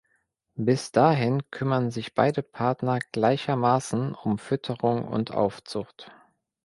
Bis dahin kümmern sich beide Partner gleichermaßen um Fütterung und Aufzucht.